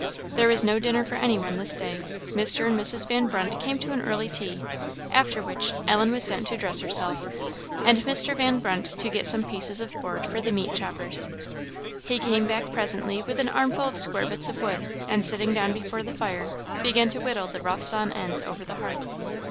There was no dinner for any one this day. Mr. and Mrs. Van Brunt came to an early tea; after which, Ellen was sent to dress herself, and Mr. Van Brunt to get some pieces of board for the meat choppers. He came back presently with an armful of square bits of wood; and sitting down before the fire, began to whittle the rough sawn ends over the hearth.